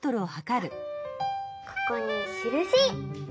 ここにしるし！